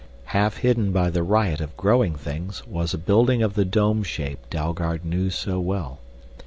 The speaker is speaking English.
Half hidden by the riot of growing things was a building of the dome shape Dalgard knew so well.